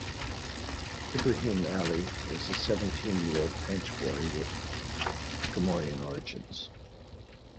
Ibrahim Ali was a seventeen-year-old French-boy with Comorian origins.